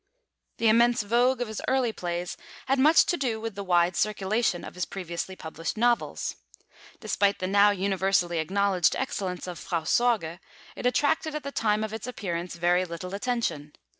The immense vogue of his early plays had much to do with the wide circulation of his previously published novels. Despite the now universally acknowledged excellence of Frau Sorge, it attracted, at the time of its appearance, very little attention.